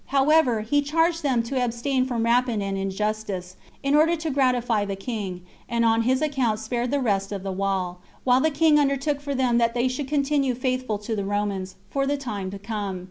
However, he charged them to abstain from rapine and injustice, in order to gratify the king; and on his account spared the rest of the wall, while the king undertook for them that they should continue [faithful to the Romans] for the time to come.